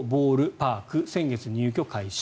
パーク先月、入居開始。